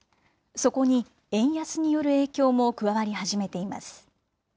そこに円安による影響も加わり始めています。